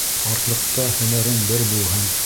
Ҡартлыҡта һөнәрең бер булһын